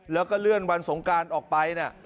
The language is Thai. แล้วก็เลื่อนวันสงการออกไปนะ